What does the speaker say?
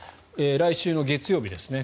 来週の月曜日とですね。